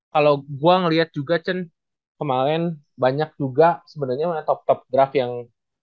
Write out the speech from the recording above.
kalau gue ngeliat juga kemarin banyak juga sebenarnya top top draft yang